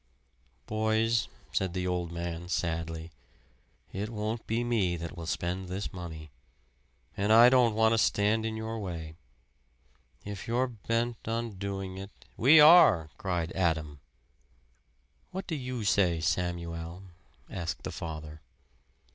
"Boys," said the old man, sadly, "it won't be me that will spend this money. And I don't want to stand in your way. If you're bent on doing it " "We are!" cried Adam. "What do you say, Samuel?" asked the father.